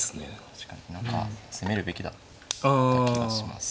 確かに何か攻めるべきだった気がします。